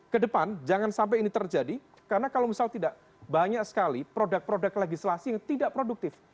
kedepan jangan sampai ini terjadi karena kalau misal tidak banyak sekali produk produk legislasi yang tidak produktif